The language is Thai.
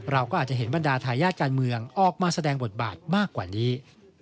เราก็อาจจะเห็นบรรดาทายาทการเมืองออกมาแสดงบทบาทมากกว่านี้